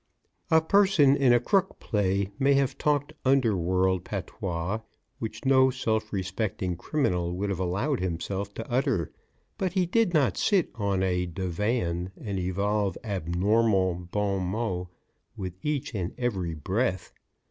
A person in a crook play may have talked underworld patois which no self respecting criminal would have allowed himself to utter, but he did not sit on a divan and evolve abnormal bons mots with each and every breath.